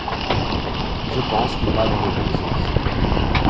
Je pense qu’il va dans le bon sens.